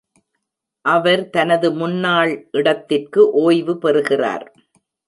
அவர் தனது முன்னாள் இடத்திற்கு ஓய்வு பெறுகிறார்.